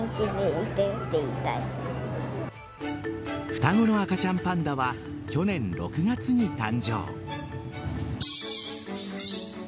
双子の赤ちゃんパンダは去年６月に誕生。